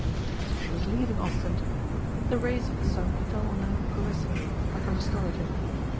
So she was leaving Ostend. The rays of the sun fell on her caressingly, like a restorative.